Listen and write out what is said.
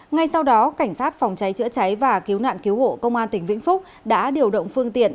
ngay sau đó cảnh sát phòng cháy chữa cháy và cứu nạn cứu hộ công an tỉnh vĩnh phúc đã điều động phương tiện